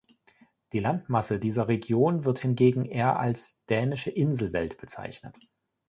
Die Landmasse dieser Region wird hingegen eher als "dänische Inselwelt" bezeichnet.